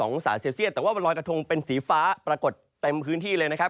องศาเซลเซียตแต่ว่ารอยกระทงเป็นสีฟ้าปรากฏเต็มพื้นที่เลยนะครับ